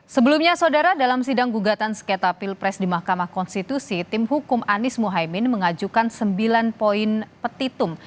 sebelumnya saudara dalam sidang gugatan sekitar pilpres di mahkamah konstitusi tim hukum anies mohaimin mengajukan sembilan poin petitum